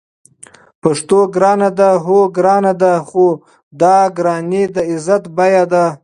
پښتو ګرانه ده؟ هو، ګرانه ده؛ خو دا ګرانی د عزت بیه ده